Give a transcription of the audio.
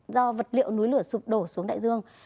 do vật liệu núi lửa sụp đổ xuống đại dương